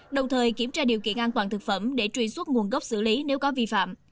đồng thời kiểm tra điều kiện an toàn thực phẩm để truy xuất nguồn gốc xử lý nếu có vi phạm